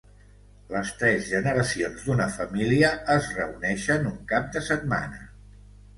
Les tres generacions d'una família es reuneixen un cap de setmana.